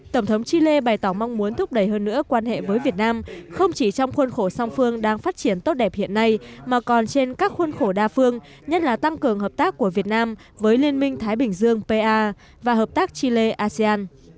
tổng thống chile bày tỏ mong muốn thúc đẩy hơn nữa quan hệ với việt nam không chỉ trong khuôn khổ song phương đang phát triển tốt đẹp hiện nay mà còn trên các khuôn khổ đa phương nhất là tăng cường hợp tác của việt nam với liên minh thái bình dương pa và hợp tác chile asean